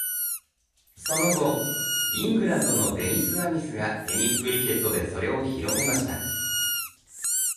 その後、イングランドのデニス・アミスがテストクリケットでそれを広めました。